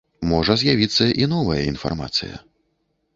Можа з'явіцца і новая інфармацыя.